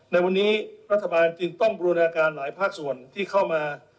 ในวันนี้รัฐบาลจึงต้องบูรณาการหลายภาคส่วนที่เข้ามา